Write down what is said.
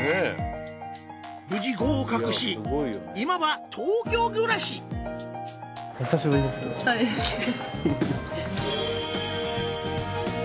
無事合格し今は東京暮らしそうですね。